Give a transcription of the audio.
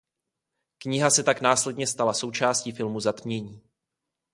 Kniha se tak následně stala součástí filmu Zatmění.